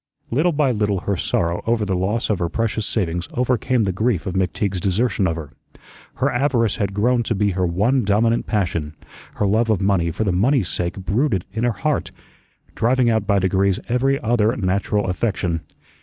Little by little her sorrow over the loss of her precious savings overcame the grief of McTeague's desertion of her. Her avarice had grown to be her one dominant passion; her love of money for the money's sake brooded in her heart, driving out by degrees every other natural affection.